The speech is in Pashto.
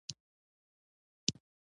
انسان باید د جلاد ژبه پرېږدي.